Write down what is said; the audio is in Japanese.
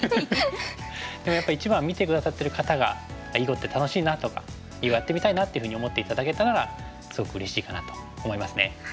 でもやっぱり一番は見て下さってる方が「囲碁って楽しいな」とか「囲碁やってみたいな」っていうふうに思って頂けたならすごくうれしいかなと思いますね。